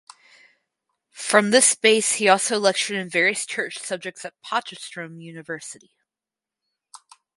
From this base he also lectured in various church subjects at Potchefstroom University.